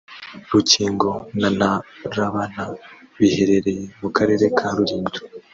Rukingo na Ntarabana bihererye mu karere ka Rulindo